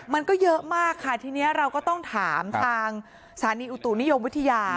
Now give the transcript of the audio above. มันก็เยอะมากค่ะทีนี้เราก็ต้องถามทางสถานีอุตุนิยมวิทยา